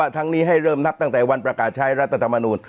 ทั้งนี้ให้เริ่มนับตั้งแต่วันประกาศใช้รัฐธรรมนูล